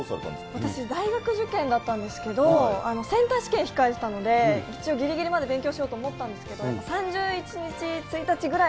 私、大学受験だったんですけど、センター試験控えてたので、一応、ぎりぎりまで勉強しようと思ったんですけど、３１日、１日ぐらい